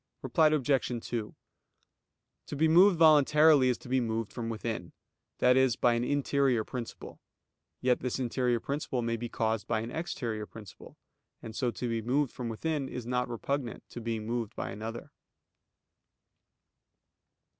Reply Obj. 2: To be moved voluntarily, is to be moved from within, that is, by an interior principle: yet this interior principle may be caused by an exterior principle; and so to be moved from within is not repugnant to being moved by another.